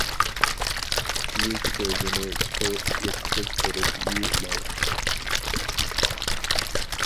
يۈز-كۆزنى سۇنى ئېقىتىپ تۇرۇپ يۇيۇش لازىم.